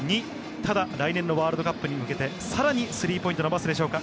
ただ来年のワールドカップに向けて、さらにスリーポイントを伸ばすでしょうか。